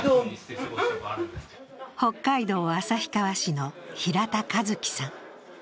北海道旭川市の平田和毅さん。